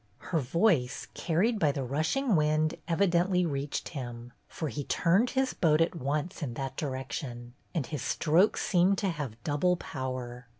Her voice, carried by the rushing wind, evidently reached him, for he turned his boat at once in that direction, and his strokes MINTURNE'S STORMY ROW 215 seemed to have double power.